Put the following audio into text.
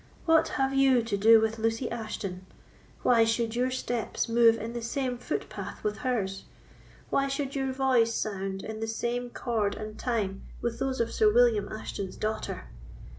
What have you to do with Lucy Ashton? why should your steps move in the same footpath with hers? why should your voice sound in the same chord and time with those of Sir William Ashton's daughter?